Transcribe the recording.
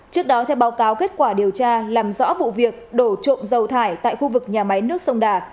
trước đó theo báo cáo kết quả điều tra làm rõ vụ việc đổ trộm dầu thải tại khu vực nhà máy nước sông đà